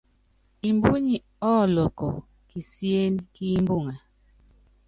Imbúnyi ɔ́lɔkɔ́ kisíén kí imbuŋe.